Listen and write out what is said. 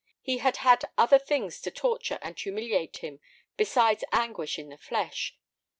He had had other things to torture and humiliate him besides anguish in the flesh.